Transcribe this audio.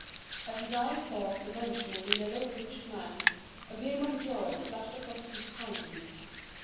As his eye caught the * mention of the yellow breeched man, a gleam of joy flashed across his countenance.